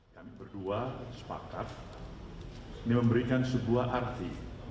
kami berdua sepakat ini memberikan sebuah arti